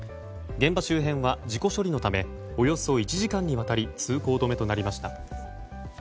現場周辺は事故処理のためおよそ１時間にわたり通行止めとなりました。